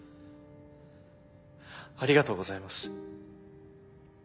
ありがとうございます。